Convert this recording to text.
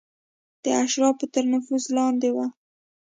د اشرافو تر نفوذ لاندې وه.